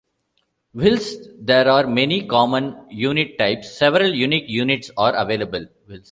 Whilst there are many common unit types, several unique units are available.